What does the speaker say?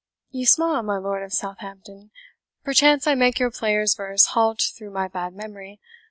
You smile, my Lord of Southampton perchance I make your player's verse halt through my bad memory.